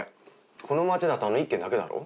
この町だとあの一軒だけだろ。